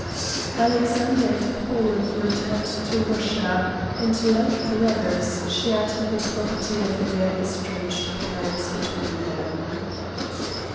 Alexander and Paul returned to Russia, and like brothers shared the property of their estranged parents between them.